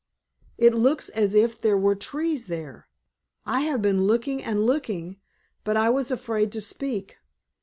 It looks as if there were trees there. I have been looking and looking, but I was afraid to speak.